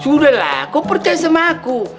sudahlah kau percaya sama aku